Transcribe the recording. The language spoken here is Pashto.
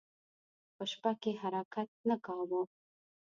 په شپه کې حرکت نه کاوه.